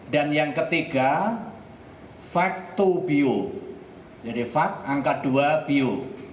dan yang ketiga vact dua bio jadi vact angka dua bio